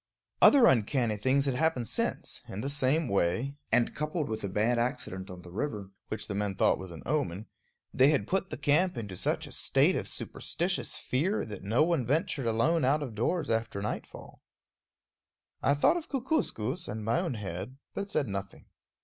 Other uncanny things had happened since, in the same way, and coupled with a bad accident on the river, which the men thought was an omen, they had put the camp into such a state of superstitious fear that no one ventured alone out of doors after nightfall. I thought of Kookooskoos and my own head, but said nothing.